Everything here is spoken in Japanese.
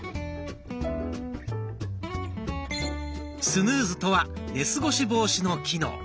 「スヌーズ」とは寝過ごし防止の機能。